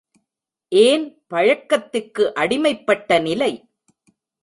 ஏன், பழக்கத்திற்கு அடிமைப்பட்ட நிலை.